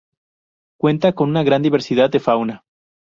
Cuenta con una gran diversidad de fauna.